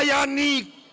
kita harus melayani